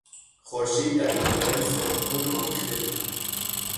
خورشید در گنبدی سرخگون آویخته بود.